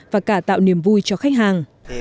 và cả tạo niềm vui cho khách hàng